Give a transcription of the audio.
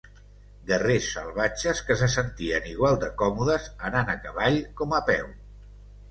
Guerrers salvatges que se sentien igual de còmodes anant a cavall com a peu.